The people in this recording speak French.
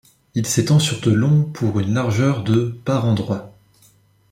Il s’étend sur de long pour une largeur de par endroits.